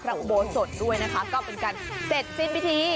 อุโบสถด้วยนะคะก็เป็นการเสร็จสิ้นพิธี